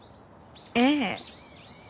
ええ。